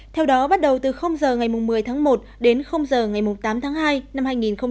theo đó bắt đầu từ giờ ngày một mươi tháng một đến h ngày tám tháng hai năm hai nghìn hai mươi